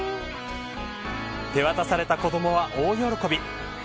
手渡された子どもは大喜び。